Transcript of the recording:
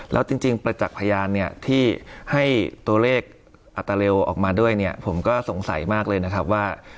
แล้วจริงประจักษ์พยานเนี่ยที่ให้ตัวเลขอัตราเร็วออกมาด้วยเนี่ยผมก็สงสัยมากเลยนะครับว่า